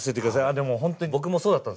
あでも本当に僕もそうだったんですよ。